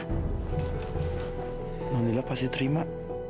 alhamdulillah pasti terima